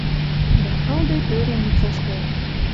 Дӓ ылде пӧрем лицӓштӓт